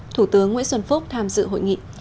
thủ tướng nguyễn xuân phúc tham dự hội nghị